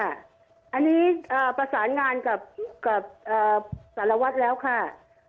อันนี้ประสานงานกับสารวัตรแล้วค่ะ